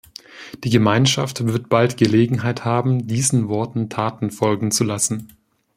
Die Gemeinschaft wird bald Gelegenheit haben, diesen Worten Taten folgen zu lassen.